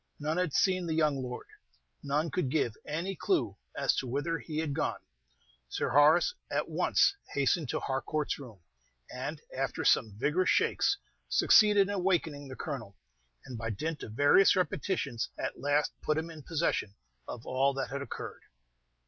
None had seen the young lord, none could give any clew as to whither he had gone. Sir Horace at once hastened to Harcourt's room, and, after some vigorous shakes, succeeded in awakening the Colonel, and by dint of various repetitions at last put him in possession of all that had occurred.